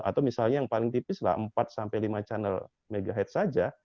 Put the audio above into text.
atau misalnya yang paling tipis lah empat sampai lima channel megah saja